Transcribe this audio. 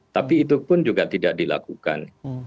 tapi itu pun juga tidak dilakukan